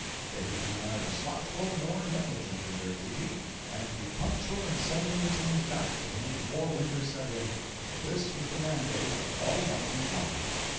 They were to be neither slothful nor negligent in their duty, and to be punctual in sending the teams back to him before winter set in, for this was the mandate of Almighty God."